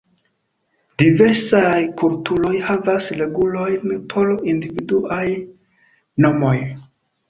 Diversaj kulturoj havas regulojn por individuaj nomoj.